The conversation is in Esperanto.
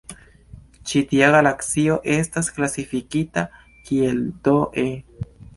Ĉi tia galaksio estas klasifikita kiel dE.